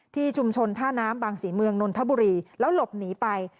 ที่ชุมชนท่าน้ำบางศรีเมืองนนทบุรีแล้วหลบหนีไป